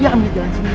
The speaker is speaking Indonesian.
ya ambil ikan sendiri